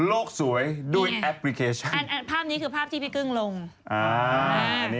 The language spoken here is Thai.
โลกสวยด้วยแอปพลิเคชัน